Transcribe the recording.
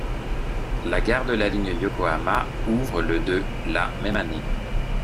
La gare de la ligne Yokohama ouvre le de la même année.